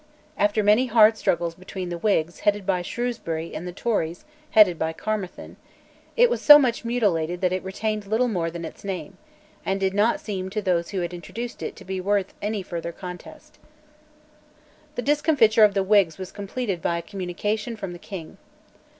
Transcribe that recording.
After many hard struggles between the Whigs headed by Shrewsbury and the Tories headed by Caermarthen, it was so much mutilated that it retained little more than its name, and did not seem to those who had introduced it to be worth any further contest, The discomfiture of the Whigs was completed by a communication from the King.